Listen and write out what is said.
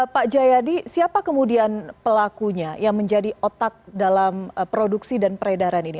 pak jayadi siapa kemudian pelakunya yang menjadi otak dalam produksi dan peredaran ini